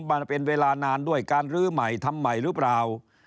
มันเป็นเวลานานด้วยการลื้อใหม่ทำใหม่หรือเปล่า